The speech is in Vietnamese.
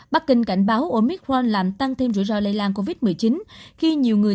bắc kinh cảnh báo omicron làm tăng thêm rủi ro lây lan covid một mươi chín khi nhiều người